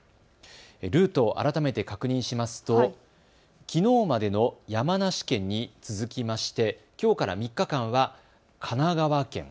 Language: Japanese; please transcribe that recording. ルートを改めて確認しますときのうまでの山梨県に続きましてきょうから３日間は神奈川県。